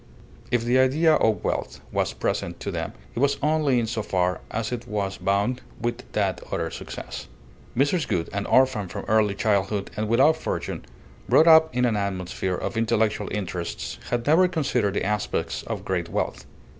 If the idea of wealth was present to them it was only in so far as it was bound with that other success. Mrs. Gould, an orphan from early childhood and without fortune, brought up in an atmosphere of intellectual interests, had never considered the aspects of great wealth.